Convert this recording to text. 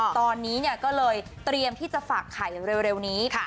ตอนนี้ก็เลยเตรียมที่จะฝากไข่เร็วนี้